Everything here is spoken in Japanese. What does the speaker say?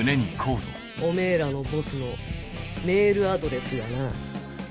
おめぇらのボスのメールアドレスがな。